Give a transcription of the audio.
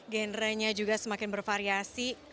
genre nya juga semakin bervariasi